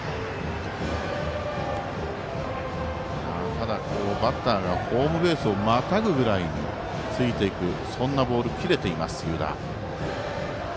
ただ、バッターがホームベースをまたぐぐらいについていく、そんなボール切れています、湯田。